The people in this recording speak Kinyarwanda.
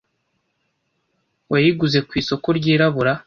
Wayiguze ku isoko ryirabura?